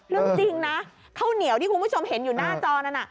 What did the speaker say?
เรื่องจริงนะข้าวเหนียวที่คุณผู้ชมเห็นอยู่หน้าจอนั้นน่ะ